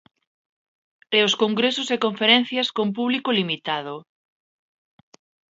E os congresos e conferencias con público limitado.